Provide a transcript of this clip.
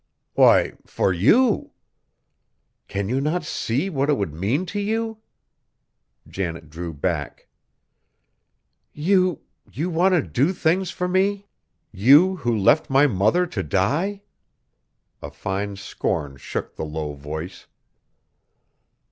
"Why, for you! Can you not see what it would mean to you?" Janet drew back. "You you want to do things for me? You who left my mother to die?" A fine scorn shook the low voice.